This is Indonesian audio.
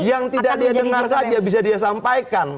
yang tidak dia dengar saja bisa dia sampaikan